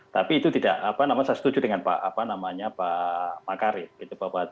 tapi itu tidak apa namanya saya setuju dengan pak makarim gitu